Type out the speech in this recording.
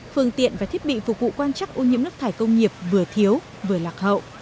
phương tiện và thiết bị phục vụ quan trắc ô nhiễm nước thải công nghiệp vừa thiếu vừa lạc hậu